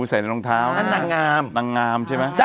ใส่ในน้องเท้านางงาม